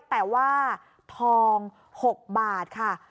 แต่ว่าทอง๖บาทค่ะ